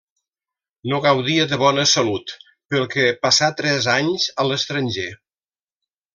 No gaudia de bona salut, pel que passà tres anys a l'estranger.